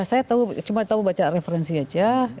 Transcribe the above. saya cuma tahu baca referensi aja